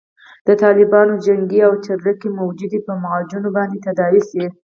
د طالبانو جنګي او چریکي وجود په معجونو باندې تداوي شي.